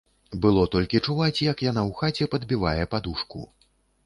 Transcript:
Было толькі чуваць, як яна ў хаце падбівае падушку.